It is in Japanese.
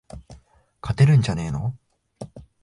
勝てるんじゃねーの